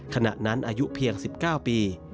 ขณะนั้นอายุเพียง๑๙ปี